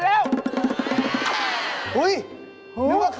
เหมือนไหม